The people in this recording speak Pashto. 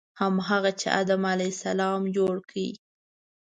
هماغه چې آدم علیه السلام جوړ کړ.